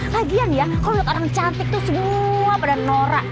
kagian ya kalau lihat orang cantik tuh semua pada norak